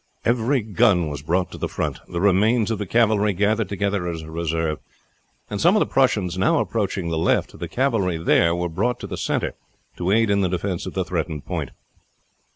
Every gun was brought to the front, the remains of the cavalry gathered together as a reserve; and some of the Prussians now approaching the left, the cavalry there were brought to the center to aid in the defense of the threatened point.